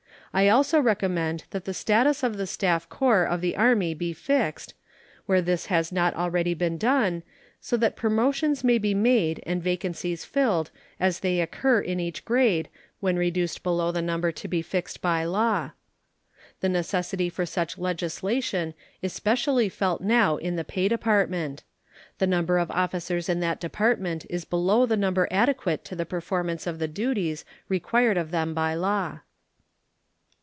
I also recommend that the status of the staff corps of the Army be fixed, where this has not already been done, so that promotions may be made and vacancies filled as they occur in each grade when reduced below the number to be fixed by law. The necessity for such legislation is specially felt now in the Pay Department. The number of officers in that department is below the number adequate to the performance of the duties required of them by law.